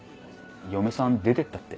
嫁さん出てったって。